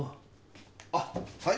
あっはい？